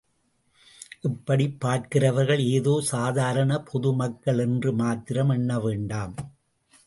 இப்படிப் பார்க்கிறவர்கள் ஏதோ சாதாரண பொது மக்கள் என்று மாத்திரம் எண்ண வேண்டாம்.